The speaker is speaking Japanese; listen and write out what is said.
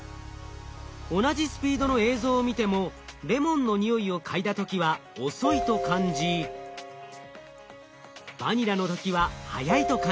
同じスピードの映像を見てもレモンの匂いを嗅いだ時は遅いと感じバニラの時は速いと感じていました。